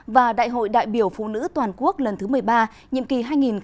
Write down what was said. và đại hội đại biểu phụ nữ toàn quốc lần thứ một mươi ba nhiệm kỳ hai nghìn hai mươi hai nghìn hai mươi năm